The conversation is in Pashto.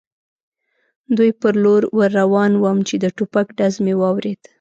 دوی پر لور ور روان ووم، چې د ټوپک ډز مې واورېد.